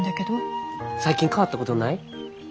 最近変わったことない？